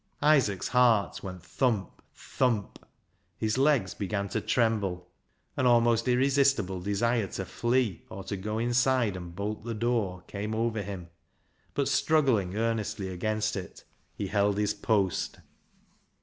Isaac's heart went thump ! thump 1 His legs began to tremble. An almost irresistible desire to flee, or to go inside and bolt the door, came 314 BECKSIDE LIGHTS over him, but struggling earnestly against it, he held his post.